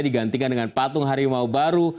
digantikan dengan patung harimau baru